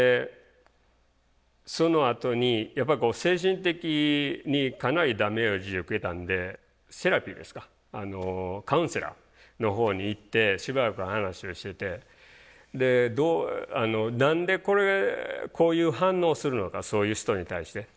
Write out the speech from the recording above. そのあとにやっぱりこう精神的にかなりダメージを受けたんでセラピーですかカウンセラーのほうに行ってしばらくは話をしてて何でこれこういう反応をするのかそういう人に対して。